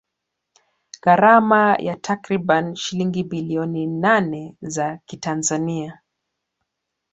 Gharama ya takribani shilingi bilioni nane za kitanzania